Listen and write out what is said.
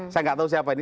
saya gak tahu siapa ini